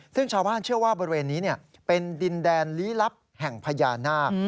ซึ่งชาวบ้านเชื่อว่าบริเวณนี้เป็นดินแดนลี้ลับแห่งพญานาค